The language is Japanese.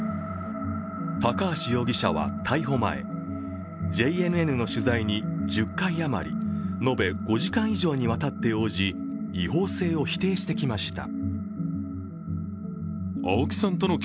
高橋容疑者は逮捕前ＪＮＮの取材に１０回あまり延べ５時間以上にわたって応じ違法性を否定してきました。